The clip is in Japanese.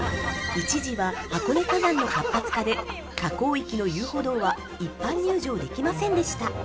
◆一時は箱根火山の活発化で火口域の遊歩道は一般入場できませんでした。